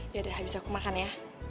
ya udah habis aku makan ya